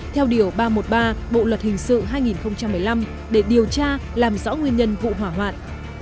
theo điều ba trăm một mươi ba bộ luật hình sự hai nghìn một mươi năm để điều tra làm rõ nguyên nhân vụ hỏa hoạn